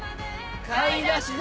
買い出し